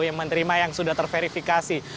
yang menerima yang sudah terverifikasi